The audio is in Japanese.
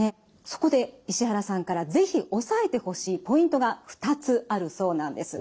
そこで石原さんから是非押さえてほしいポイントが２つあるそうなんです。